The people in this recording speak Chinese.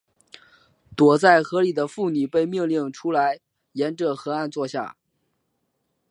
躲在河里的妇女被命令出来沿着河岸坐下。